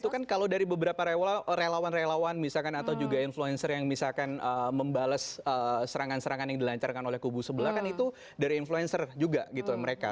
itu kan kalau dari beberapa relawan relawan misalkan atau juga influencer yang misalkan membalas serangan serangan yang dilancarkan oleh kubu sebelah kan itu dari influencer juga gitu mereka